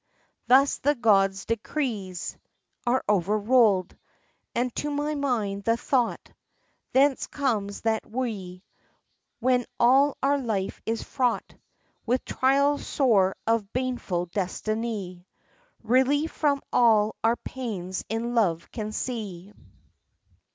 Thus the gods' decrees Are overruled ;— and to my mind the thought Thence comes that we, when all our life is fraught With trials sore of baneful destiny, Relief from all our pains in love can see.